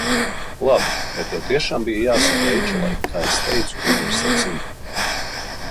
Labi, vai tev tiešām bija jāsaka Reičelai, ka es teicu, ka viņa ir seksīga?